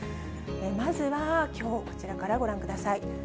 まずはきょう、こちらからご覧ください。